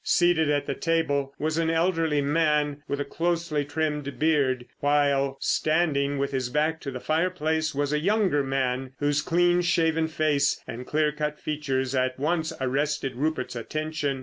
Seated at the table was an elderly man with a closely trimmed beard, while, standing with his back to the fireplace, was a younger man, whose clean shaven face and clear cut features at once arrested Rupert's attention.